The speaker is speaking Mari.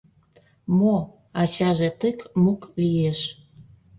— Мо... — ачаже тык-мук лиеш.